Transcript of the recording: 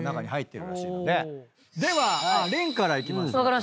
ではレンからいきましょうか。